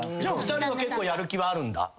じゃあ２人は結構やる気はあるんだ？